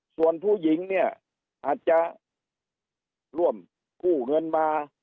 ส่วนผู้หญิงเนี่ยอาจจะร่วมกู้เงินมา